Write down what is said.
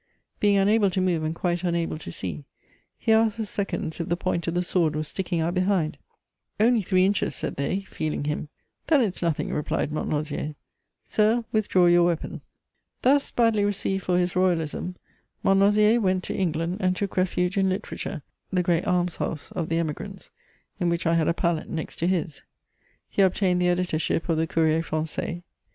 Being unable to move and quite unable to see, he asked the seconds if the point of the sword was sticking out behind: "Only three inches," said they, feeling him. "Then it's nothing," replied Montlosier. "Sir, withdraw your weapon." Thus badly received for his royalism, Montlosier went to England, and took refuge in literature, the great almshouse of the Emigrants, in which I had a pallet next to his. He obtained the editorship of the _Courrier français.